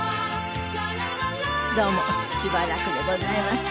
どうもしばらくでございました。